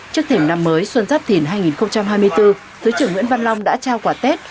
trước thỉnh năm mới xuân giáp thìn hai nghìn hai mươi bốn thứ trưởng nguyễn văn long đã trao quả tết